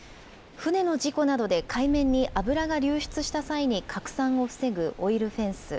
船の事故などで海面に油が流出した際に拡散を防ぐオイルフェンス。